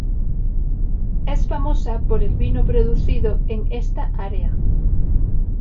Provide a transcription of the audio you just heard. Es famosa por el vino producido en esta área.